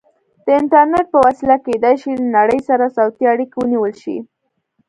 د انټرنیټ په وسیله کیدای شي له نړۍ سره صوتي اړیکې ونیول شي.